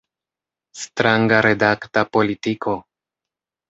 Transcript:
Stranga redakta politiko!